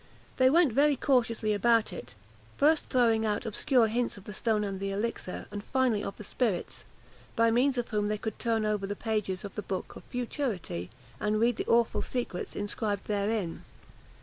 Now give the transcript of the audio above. They went very cautiously about it; first throwing out obscure hints of the stone and the elixir, and finally of the spirits, by means of whom they could turn over the pages of the book of futurity, and read the awful secrets inscribed therein.